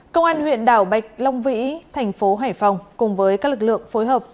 công an huyện đảo bạch long vĩ thành phố hải phòng cùng với các lực lượng phối hợp